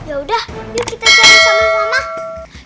yaudah yuk kita cari sama mama